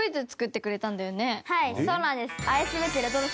今回はいそうなんです。